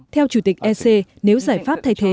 theo chủ tịch sc nếu giải pháp thay thế